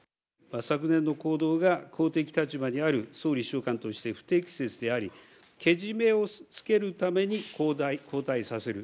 昨年の行動が公的立場にある総理秘書官として不適切であり、けじめをつけるために交代させる。